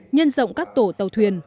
nhân rộng các tổ tàu thuyền